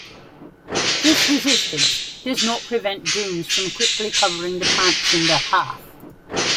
This resistance does not prevent dunes from quickly covering the plants in their path.